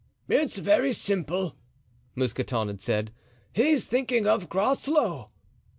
"It is very simple," Mousqueton had said; "he is thinking of Groslow."